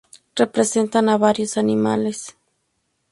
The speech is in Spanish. Representan a varios animales.